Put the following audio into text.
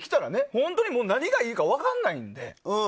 本当に何がいいのか分からないんで。